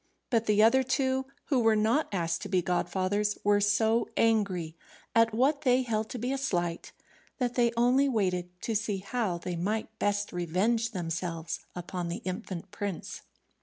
But the other two, who were not asked to be godfathers, were so angry at what they held to be a slight, that they only waited to see how they might best revenge themselves upon the infant prince.